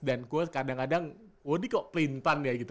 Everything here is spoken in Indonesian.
dan gue kadang kadang woody kayak pelintan ya gitu